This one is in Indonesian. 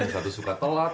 yang satu suka telat